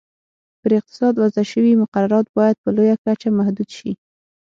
پر اقتصاد وضع شوي مقررات باید په لویه کچه محدود شي.